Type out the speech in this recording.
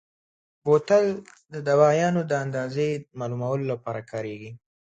بوتل د دوایانو د اندازې معلومولو لپاره کارېږي.